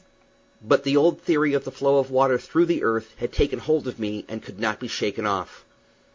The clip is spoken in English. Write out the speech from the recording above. But the old theory of the flow of water through the earth had taken hold of me and could not be shaken off.